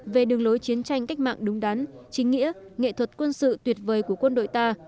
về đường lối chiến tranh cách mạng đúng đắn chính nghĩa nghệ thuật quân sự tuyệt vời của quân đội ta